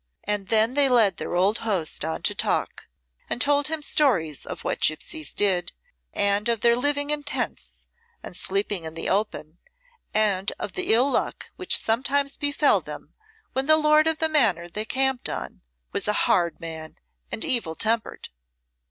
And then they led their old host on to talk, and told him stories of what gipsies did, and of their living in tents and sleeping in the open, and of the ill luck which sometimes befel them when the lord of the manor they camped on was a hard man and evil tempered.